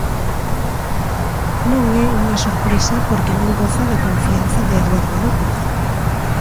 Non é unha sorpresa porque non goza da confianza de Eduardo López.